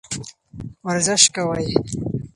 ورزش کوئ.